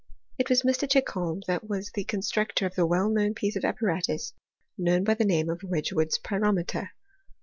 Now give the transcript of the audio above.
It was Mr. Chicliolm that WaiS the con structor of the well known piece of apparatus known by the name of Wedgewood's pyrometer.